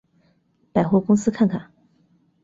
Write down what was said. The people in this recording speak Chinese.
百货公司看看